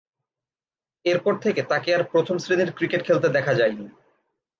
এরপর থেকে তাকে আর প্রথম-শ্রেণীর ক্রিকেট খেলতে দেখা যায়নি।